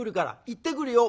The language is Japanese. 行ってくるよ」。